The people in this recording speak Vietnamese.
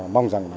mong rằng là